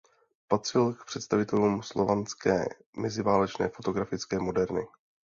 Patřil k představitelům slovenské meziválečné fotografické moderny.